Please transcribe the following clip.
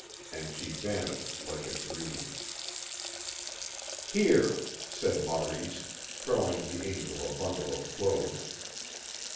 And she vanished like a dream. "Here," said Maurice, throwing the Angel a bundle of clothes.